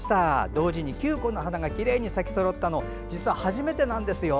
同時に９個の花がきれいに咲きそろったのは実は初めてなんですよ。